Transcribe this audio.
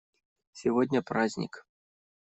Сегодня праздник.